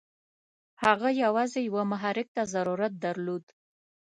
هغه یوازې یوه محرک ته ضرورت درلود.